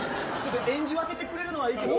演じ分けてくれるのはいいけど。